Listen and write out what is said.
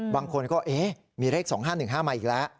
บางคนก็เอ๊ะมีเลข๒๕๑๕มาอีกแล้ว